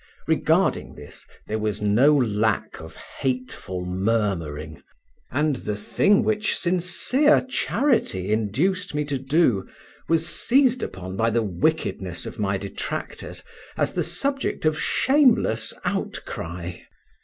Regarding this there was no lack of hateful murmuring, and the thing which sincere charity induced me to do was seized upon by the wickedness of my detractors as the subject of shameless outcry.